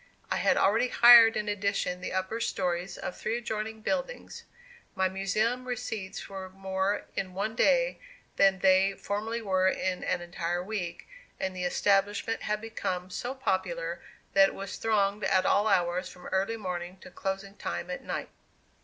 I had already hired in addition the upper stories of three adjoining buildings. My Museum receipts were more in one day, than they formerly were in an entire week, and the establishment had become so popular that it was thronged at all hours from early morning to closing time at night.